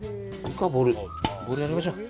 ボウルにやりましょう。